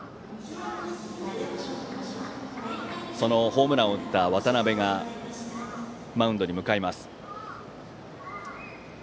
ホームランを打った渡辺がマウンドに向かいます。